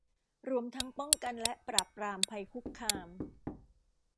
รวมทั้งป้องกันและปราบปรามภัยคุกคาม